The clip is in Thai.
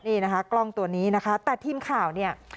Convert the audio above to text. นี่นะคะกล้องตัวนี้นะคะแต่ทีมข่าวเนี่ย